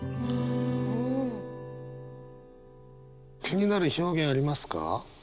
気になる表現ありますか？